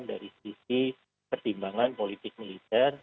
dari sisi pertimbangan politik militer